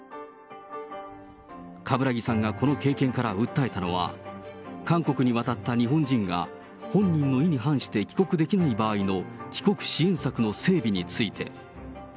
冠木さんがこの経験から訴えたのは、韓国に渡った日本人が本人の意に反して帰国できない場合の帰国支援策の整備について。